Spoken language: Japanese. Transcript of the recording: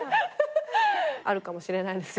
あるかもしれないですよ